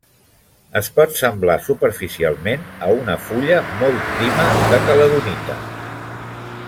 Es pot semblar superficialment a una fulla molt prima de caledonita.